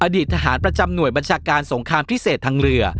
อดีตทหารประจำหน่วยบัญชาการสงครามพิเศษทางเรือ